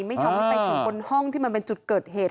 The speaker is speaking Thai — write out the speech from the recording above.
ไม่ยอมให้ไปถึงบนห้องที่มันเป็นจุดเกิดเหตุ